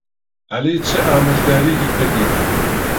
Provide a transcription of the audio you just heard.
عەلی چ ئامۆژگارییەکی کردیت؟